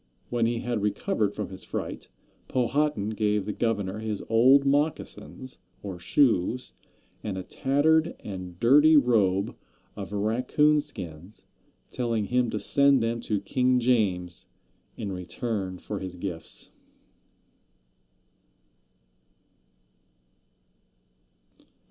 When he had recovered from his fright Powhatan gave the governor his old moccasins, or shoes, and a tattered and dirty robe of raccoon skins, telling him to send them to King James in return for his gifts!